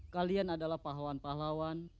kalian adalah pahawan pahlawan